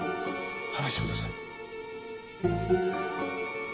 話してください。